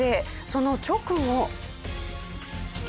その直後。